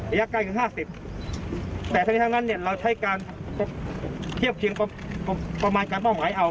ระยะไกลคือ๕๐เมตรแต่ถ้านั้นเราใช้การเทียบเคียงประมาณการเป้าหมายเอา